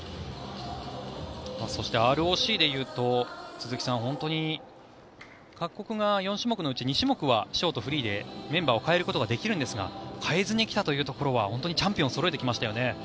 そしてＲＯＣでいうと鈴木さん、各国が４種目のうち２種目はショート、フリーでメンバーを変えることができるんですが変えずに来たというところは本当にチャンピオンをそろえてきましたよね。